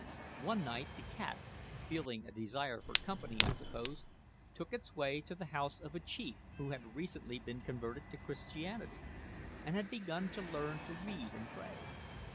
One night the cat feeling a desire for company, I suppose took its way to the house of a chief who had recently been converted to Christianity, and had begun to learn to read and pray.